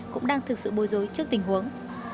cái nào nhỉ đây đúng không